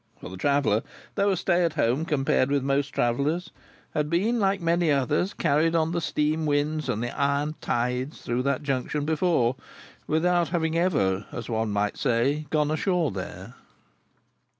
For the traveller (though a stay at home compared with most travellers) had been, like many others, carried on the steam winds and the iron tides through that Junction before, without having ever, as one might say, gone ashore there.